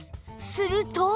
すると